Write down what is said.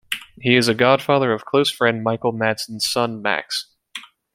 He is a godfather of close friend Michael Madsen's son Max.